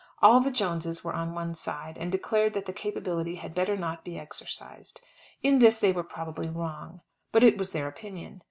All the Jones's were on one side, and declared that the capability had better not be exercised. In this they were probably wrong; but it was their opinion.